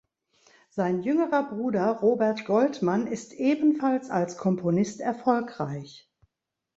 Sein jüngerer Bruder Robert Goldman ist ebenfalls als Komponist erfolgreich.